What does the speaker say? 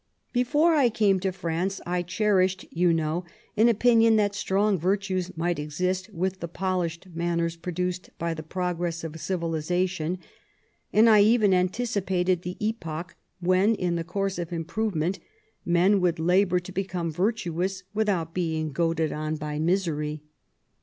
... Before I came to France, I cherished, you know, an opinion that strong yirtues might exist with the polished manners produced by the progress of ciyilisation ; and I eyen anticipated the epoch, when, in the course of improyement, men would labour to become yirtuouB, without being goaded on by misery.